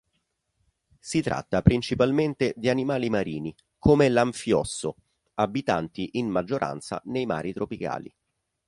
Si tratta principalmente di animali marini come l'anfiosso, abitanti in maggioranza nei mari tropicali.